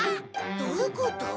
どういうこと？